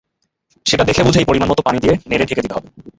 সেটা দেখে বুঝেই পরিমাণমতো পানি দিয়ে নেড়ে ঢেকে দিতে হবে।